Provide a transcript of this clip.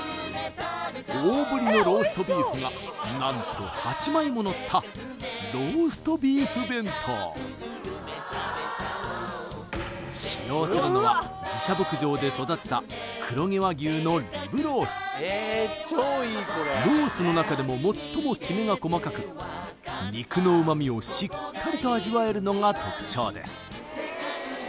大ぶりのローストビーフが何と８枚ものったローストビーフ弁当使用するのは自社牧場で育てたロースの中でも最もきめが細かく肉の旨みをしっかりと味わえるのが特徴です